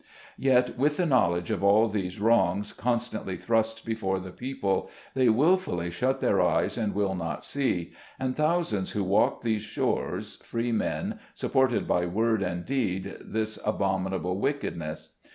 Yet with the knowledge of all these wrongs con stantly thrust before the people, they willfully shut their eyes, and will not see ; and thousands who walk these shores, free men, support by word and deed this abominable wickedness